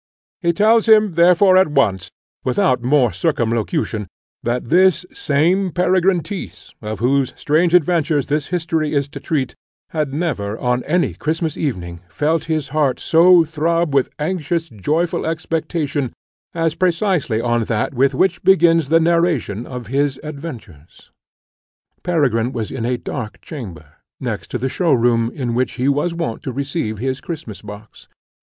He tells him therefore at once, without more circumlocution, that this same Peregrine Tyss, of whose strange adventures this history is to treat, had never, on any Christmas evening, felt his heart so throb with anxious joyful expectation, as precisely on that with which begins the narration of his adventures. Peregrine was in a dark chamber, next the show room in which he was wont to receive his Christmas box.